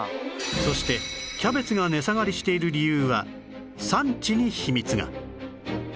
そしてキャベツが値下がりしている理由は産地に秘密が